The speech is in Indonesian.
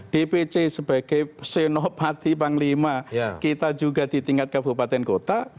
dpc sebagai senopati panglima kita juga di tingkat kabupaten kota